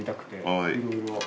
はい。